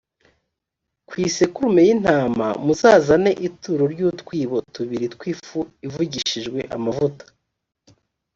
ku isekurume y’intama muzazane ituro ry’utwibo tubiri tw’ifu ivugishijwe amavuta.